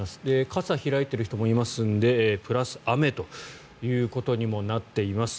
傘を開いている人もいますのでプラス雨ということにもなっています。